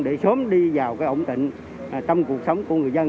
để sớm đi vào ổng tỉnh trong cuộc sống của người dân